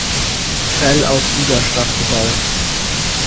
Krell aus Duderstadt gebaut.